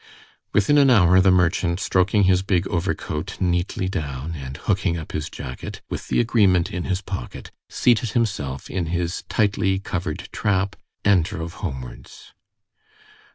Within an hour the merchant, stroking his big overcoat neatly down, and hooking up his jacket, with the agreement in his pocket, seated himself in his tightly covered trap, and drove homewards.